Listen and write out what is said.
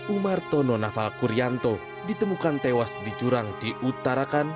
umar tono noval gurianto ditemukan tewas di jurang di utarakan